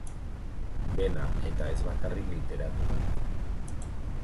Dena eta ez bakarrik literatura.